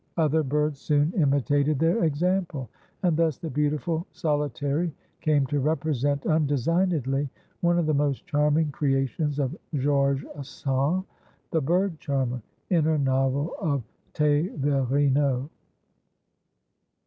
Other birds soon imitated their example, and thus the beautiful solitary came to represent, undesignedly, one of the most charming creations of Georges Sand, the bird charmer, in her novel of 'Tévérino.'"